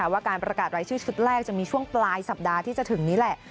ว่าการประกาศรายชื่อชุดแรกจะมีช่วงปลายสัปดาห์ที่จะถึงนี้แหละ